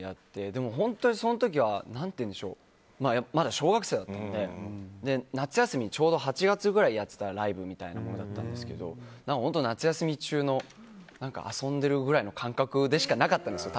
でも本当に、その時はまだ小学生だったので夏休みのちょうど８月ぐらいにやっていたライブみたいなのだったんですけど夏休み中の、遊んでるくらいの感覚でしかなかったんですよ